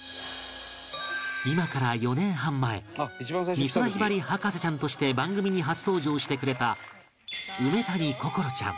美空ひばり博士ちゃんとして番組に初登場してくれた梅谷心愛ちゃん